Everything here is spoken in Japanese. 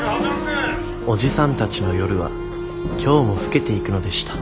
おじさんたちの夜は今日も更けていくのでした